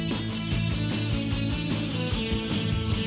lebih baik jako kba si kok kita kaseyi